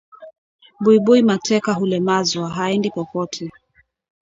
Buibui mateka hulemazwa, haendi popote